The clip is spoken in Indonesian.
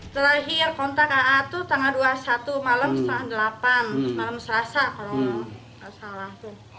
terakhir kontak aa itu tanggal dua puluh satu malam setengah delapan malam selasa kalau nggak salah